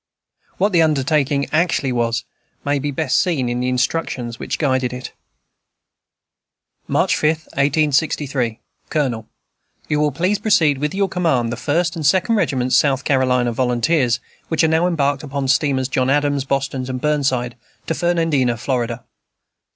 What the undertaking actually was may be best seen in the instructions which guided it.* * HEAD QUARTERS, BEAUFORT, S. C., March 5, 1863. COLONEL, You will please proceed with your command, the First and Second Regiments South Carolina Volunteers, which are now embarked upon the steamers John Adams, Boston, and Burn side, to Fernandina, Florida.